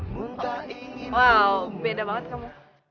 wow beda banget kamu